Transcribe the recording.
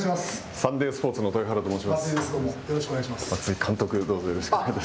サンデースポーツの豊原と松井です。